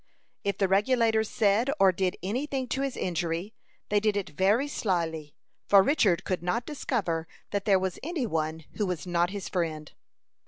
If the Regulators said or did any thing to his injury, they did it very slyly, for Richard could not discover that there was any one who was not his friend.